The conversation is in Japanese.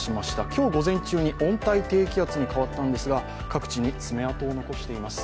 今日午前中に温帯低気圧に変わったんですが、各地に爪痕を残しています。